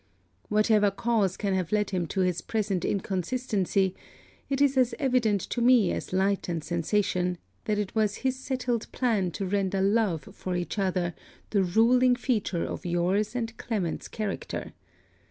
Whatever cause can have led him to his present inconsistency, it is as evident to me as light and sensation that it was his settled plan to render love for each other the ruling feature of your's and Clement's character.